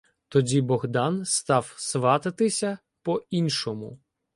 Тоді Богдан став свататися по-іншому.